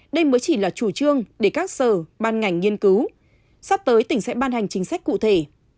đây mới chỉ là chủ trương để các sở ban ngành nghiên cứu sắp tới tỉnh sẽ ban hành chính sách cụ thể